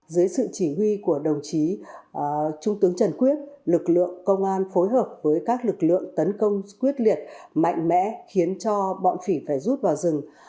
dưới sự chỉ huy của đồng chí trung tướng trần quyết lực lượng công an phối hợp với các lực lượng tấn công quyết liệt mạnh mẽ khiến cho bọn phỉ phải rút vào rừng